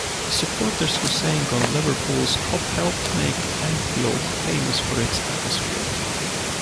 The supporters who sang on Liverpool's Kop helped make Anfield famous for its atmosphere.